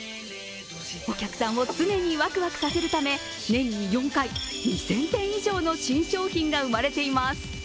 お客さんを常にワクワクさせるため年に４回、２０００点以上の新商品が生まれています。